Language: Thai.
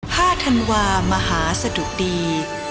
ห้าธันวามหาสดุตรี